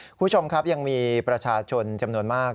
คุณผู้ชมครับยังมีประชาชนจำนวนมาก